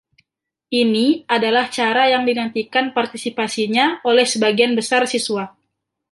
Ini adalah acara yang dinantikan partisipasinya oleh sebagian besar siswa.